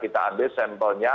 kita ambil sampelnya